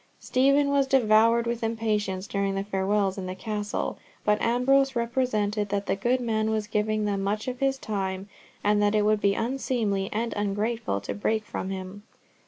Stephen was devoured with impatience during the farewells in the Castle, but Ambrose represented that the good man was giving them much of his time, and that it would be unseemly and ungrateful to break from him.